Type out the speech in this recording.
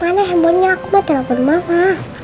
mana handphonenya aku mau telepon mama